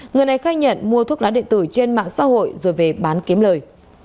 người này khai nhận mua thuốc lá điện tử trên mạng xã hội rồi về bán kiếm lời